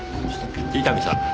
伊丹さん。